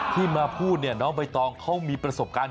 ที่มาพูดเนี่ยน้องใบตองเขามีประสบการณ์